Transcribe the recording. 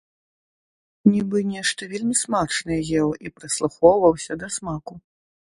Нібы нешта вельмі смачнае еў і прыслухоўваўся да смаку.